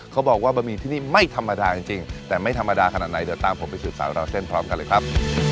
เขาบอกว่าบะหมี่ที่นี่ไม่ธรรมดาจริงแต่ไม่ธรรมดาขนาดไหนเดี๋ยวตามผมไปสืบสาวราวเส้นพร้อมกันเลยครับ